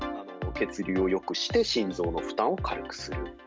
血流をよくして、心臓の負担を軽くする。